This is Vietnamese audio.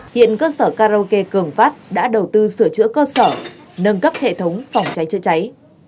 hiện cơ sở karaoke cường phát đã đầu tư sửa chữa cơ sở nâng cấp hệ thống phòng cháy chữa cháy